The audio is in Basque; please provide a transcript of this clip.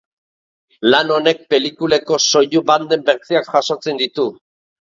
Lan honek pelikuletako soinu-banden bertsioak jasotzen ditu.